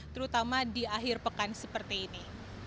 terutama di akhir pekan seperti ini